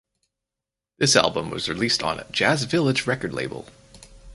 This album was released on Jazz Village record label.